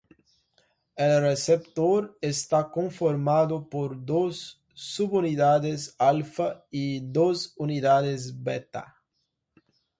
El receptor está conformado por dos subunidades alfa y dos unidades beta.